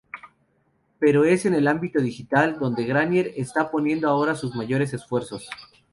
Pero es en el ámbito digital donde Granier está poniendo ahora sus mayores esfuerzos.